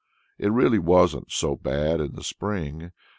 It really wasn't so bad in the spring.